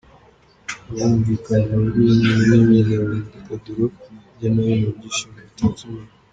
Haba humvikana amajwi n’imyidagaduro hirya no hino mu byishimo bitatse umujyi.